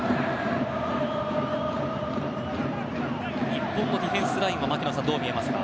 日本のディフェンスライン槙野さん、どう見えますか。